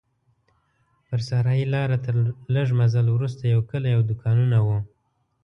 پر صحرایي لاره تر لږ مزل وروسته یو کلی او دوکانونه وو.